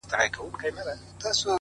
لڅ په خوب کرباس ويني